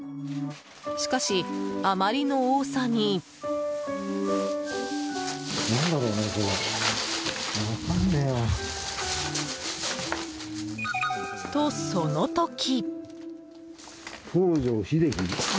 しかし、あまりの多さに。と、その時。